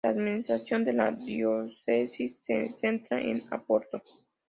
La administración de la diócesis se centra en Oporto.